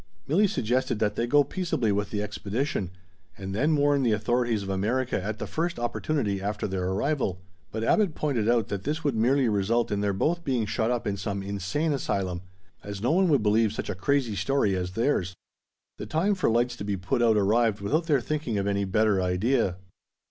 Milli suggested that they go peaceably with the expedition, and then warn the authorities of America at the first opportunity after their arrival; but Abbot pointed out that this would merely result in their both being shut up in some insane asylum, as no one would believe such a crazy story as theirs. The time for lights to be put out arrived without their thinking of any better idea.